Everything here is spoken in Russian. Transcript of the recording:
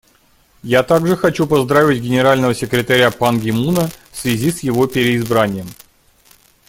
Я также хочу поздравить Генерального секретаря Пан Ги Муна в связи с его переизбранием.